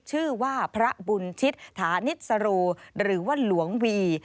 ชื่อว่าพระบุญชิตฐานิสโรหรือว่าหลวงวี